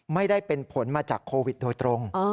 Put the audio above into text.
ไม่ได้เป็นผลมาจากโควิดโดยตรง